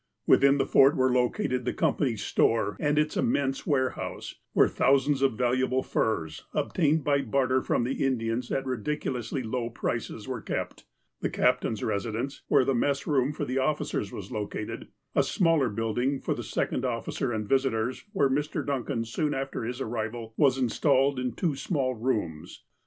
Within the Fort were located the company's store and its immense warehouse, where thousands of valuable furs, obtained by barter from the Indians at ridiculously low prices, were kept, the captain's residence, where the mess room for the officers was located, a smaller building for the second officer and visitors, where Mr. Duncan, soon after his arrival, was installed in two small rooms.